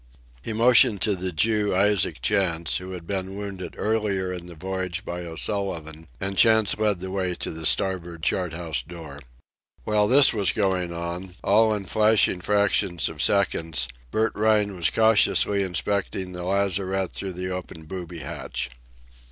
He motioned to the Jew, Isaac Chantz, who had been wounded earlier in the voyage by O'Sullivan, and Chantz led the way to the starboard chart house door. While this was going on, all in flashing fractions of seconds, Bert Rhine was cautiously inspecting the lazarette through the open booby hatch.